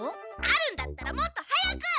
あるんだったらもっと速く！